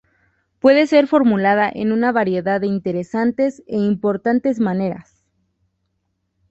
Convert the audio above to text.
Puede ser formulada en una variedad de interesantes e importantes maneras.